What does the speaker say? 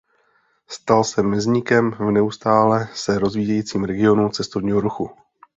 Stal se mezníkem v neustále se rozvíjejícím regionu cestovního ruchu.